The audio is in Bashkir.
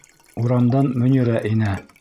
Урамдан Мөнирә инә.